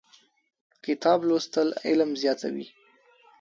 کتاب لوستل علم زیاتوي.